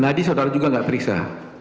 nadi saudara juga tidak periksa